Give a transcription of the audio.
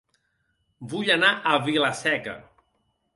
Vull anar a Vila-seca